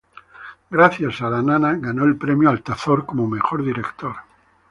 Gracias a "La nana" ganó el Premio Altazor como mejor director.